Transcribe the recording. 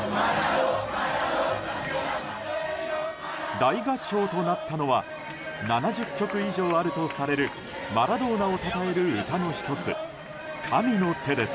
大合唱となったのは７０曲以上あるとされるマラドーナをたたえる歌の１つ「神の手」です。